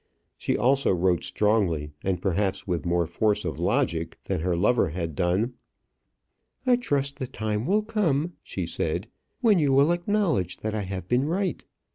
She also wrote strongly, and perhaps with more force of logic than her lover had done. "I trust the time will come," she said, "when you will acknowledge that I have been right.